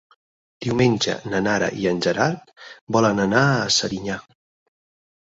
Diumenge na Nara i en Gerard volen anar a Serinyà.